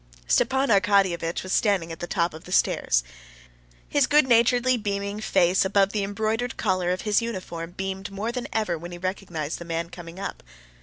Stepan Arkadyevitch was standing at the top of the stairs. His good naturedly beaming face above the embroidered collar of his uniform beamed more than ever when he recognized the man coming up.